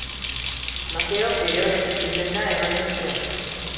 Mateok bere onetik irtenda ematen zuen.